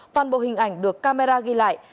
toàn bộ hình ảnh được camera ghi lại